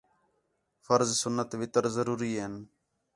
فرض، سُنت، وِتر ضروری ہین